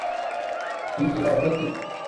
পিঙ্কি, এটা বিরক্তিকর।